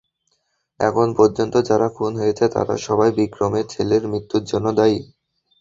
এখন পর্যন্ত যারা খুন হয়েছে তারা সবাই বিক্রমের ছেলের মৃত্যুর জন্য দায়ী।